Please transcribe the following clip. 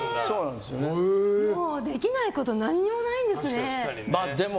できないこと何にもないんですね。